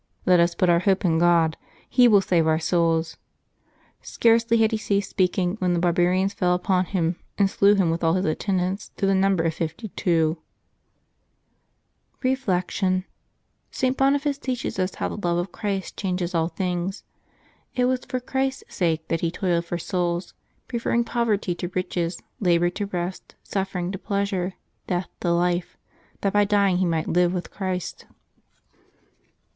Let us put our hope in God : He will save our souls." Scarcely had he ceased speaking, when the barbarians fell upon him and slew him with all his attendants, to the number of fifty two. June 6] LIVES OF THE SAINTS 207 Reflection. — St. Boniface teaches us how the love of Christ changes all things.. It was for Christ's sake that he toiled for souls, preferring poverty to riches, labor to rest, suffering to pleasure, death to life, that by dying he might live with Christ.